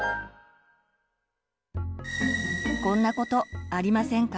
こんなことありませんか？